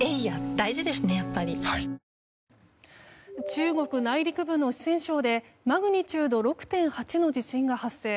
中国内陸部の四川省でマグニチュード６．８の地震が発生。